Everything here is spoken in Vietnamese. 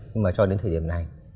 nhưng mà cho đến thời điểm này